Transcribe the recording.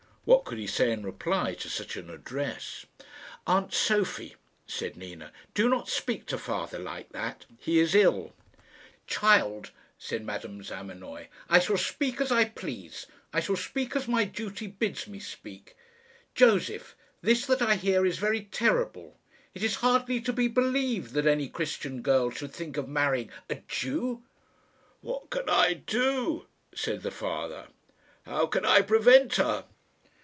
What could he say in reply to such an address? "Aunt Sophie," said Nina, "do not speak to father like that. He is ill." "Child," said Madame Zamenoy, "I shall speak as I please. I shall speak as my duty bids me speak. Josef, this that I hear is very terrible. It is hardly to be believed that any Christian girl should think of marrying a Jew." "What can I do?" said the father. "How can I prevent her?"